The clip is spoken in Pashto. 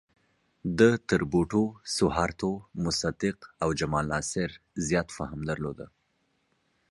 ده تر بوټو، سوهارتو، مصدق او جمال ناصر زیات فهم درلود.